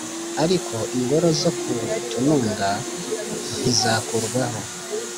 Ariko ingoro zo ku tununga ntizakurwaho